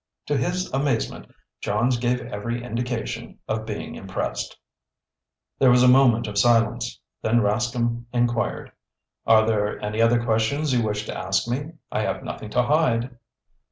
To his amazement, Johns gave every indication of being impressed. There was a moment of silence. Then Rascomb inquired: "Are there any other questions you wish to ask me? I have nothing to hide."